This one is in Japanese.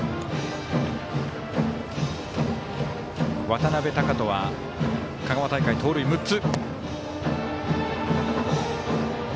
渡邊升翔は香川大会盗塁６つ。